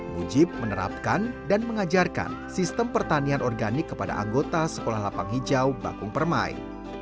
mujib menerapkan dan mengajarkan sistem pertanian organik kepada anggota sekolah lapang hijau bakung permai